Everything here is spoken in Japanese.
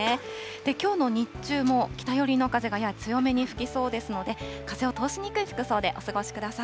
きょうの日中も北寄りの風がやや強めに吹きそうですので、風を通しにくい服装でお過ごしください。